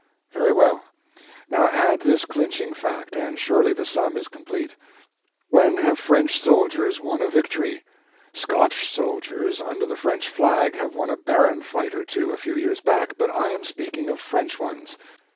"Very well. Now add this clinching fact, and surely the sum is complete: When have French soldiers won a victory? Scotch soldiers, under the French flag, have won a barren fight or two a few years back, but I am speaking of French ones.